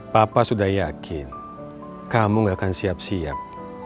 papa sudah yakin kamu gak akan siap siap